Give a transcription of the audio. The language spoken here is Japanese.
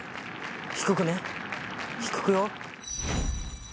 低くね低くよ。